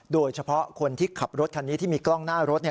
โดยเฉพาะคนที่ขับรถคันนี้ที่มีกล้องหน้ารถ